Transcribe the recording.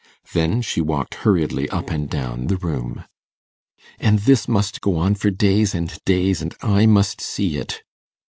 Then she walked hurriedly up and down the room. 'And this must go on for days and days, and I must see it.